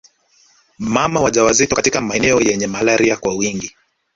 Mama wajawazito katika maeneo yenye malaria kwa wingi